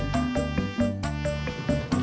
minggu minggu minggu belum evo